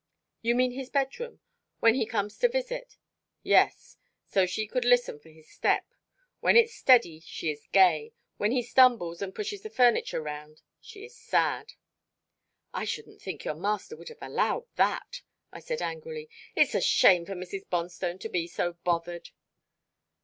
"You mean his bed room when he comes out to visit?" "Yes so she could listen for his step. When it's steady, she is gay. When he stumbles, and pushes the furniture round, she is sad." "I shouldn't think your master would have allowed that," I said angrily. "It's a shame for Mrs. Bonstone to be so bothered."